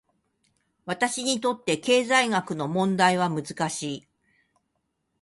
私にとって、経済学の問題は難しい。